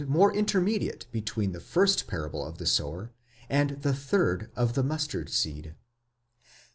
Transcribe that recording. more intermediate between the first parable of the sower, and the third of the mustard seed.